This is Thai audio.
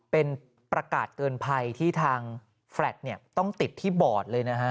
เป็นประกาศเตือนภัยที่ทางแฟลตเนี่ยต้องติดที่บอร์ดเลยนะฮะ